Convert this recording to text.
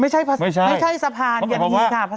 ไม่ใช่สะพานอย่างนี้ค่ะ